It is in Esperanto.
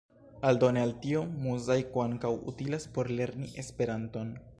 Aldone al tio, Muzaiko ankaŭ utilas por lerni Esperanton.